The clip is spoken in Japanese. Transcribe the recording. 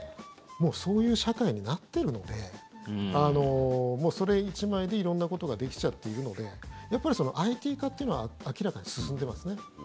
もうそういう社会になってるのでそれ１枚で色んなことができちゃっているのでやっぱりＩＴ化というのは明らかに進んでいますね。